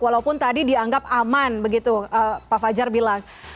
walaupun tadi dianggap aman begitu pak fajar bilang